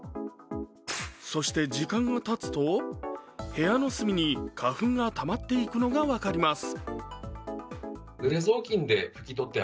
そして時間がたつと部屋の隅に花粉がたまっていくのが分かります。